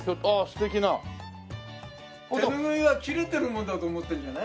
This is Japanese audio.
手ぬぐいは切れてるものだと思ってるんじゃない？